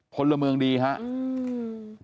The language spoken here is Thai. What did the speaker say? พลเมืองดีครับ